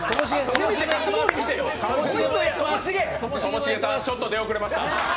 ともしげさんちょっと出遅れました。